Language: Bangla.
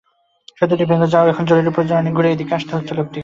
সেতুটি ভেঙে যাওয়ায় এখন জরুরি প্রয়োজনে অনেক ঘুরে এদিকে আসতে হচ্ছে লোকজনকে।